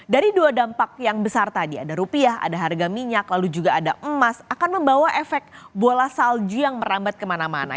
dari dua dampak yang besar tadi ada rupiah ada harga minyak lalu juga ada emas akan membawa efek bola salju yang merambat kemana mana